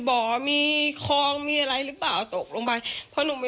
ตกลงไปจากรถไฟได้ยังไงสอบถามแล้วแต่ลูกชายก็ยังไง